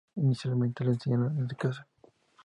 Inicialmente le enseñaron en casa.